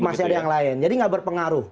masih ada yang lain jadi nggak berpengaruh